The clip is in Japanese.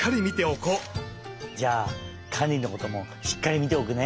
じゃあカンリのこともしっかりみておくね！